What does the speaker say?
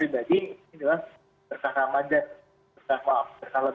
berkah maaf berkah lebaran